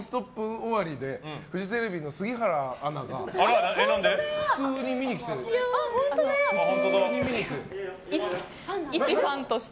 終わりでフジテレビの杉原アナが普通に見に来てて。